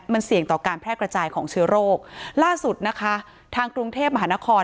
มันเสี่ยงต่อการแพร่กระจายของเชื้อโรคล่าสุดนะคะทางกรุงเทพมหานคร